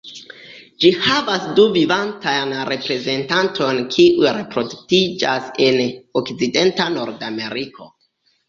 Ĝi havas du vivantajn reprezentantojn kiuj reproduktiĝas en okcidenta Nordameriko.